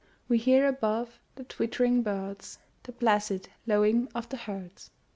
We hear above the twittering birds, The placid lowing of the herds.